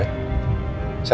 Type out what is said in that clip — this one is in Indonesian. saya suruh rendy jemput kamu ya